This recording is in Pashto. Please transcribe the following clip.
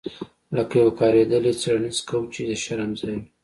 لکه یو کاریدلی څیړنیز کوچ چې د شرم ځای وي